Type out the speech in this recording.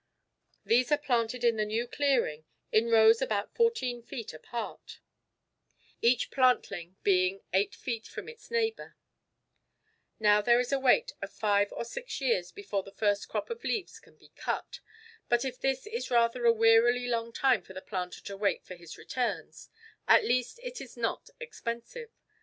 These are planted in the new clearing in rows about fourteen feet apart, each plantling being eight feet from its neighbour. Now there is a wait of five or six years before the first crop of leaves can be cut. But if this is rather a wearily long time for the planter to wait for his returns, at least it is not expensive.